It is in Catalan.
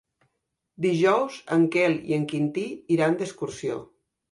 Dijous en Quel i en Quintí iran d'excursió.